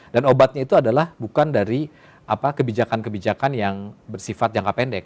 dan obatnya itu adalah bukan dari kebijakan kebijakan yang bersifat jangka pendek